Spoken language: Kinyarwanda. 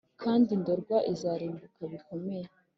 kandi indorwa izarimbuka bikomeye